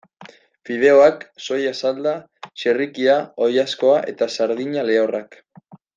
Fideoak, soia salda, txerrikia, oilaskoa eta sardina lehorrak.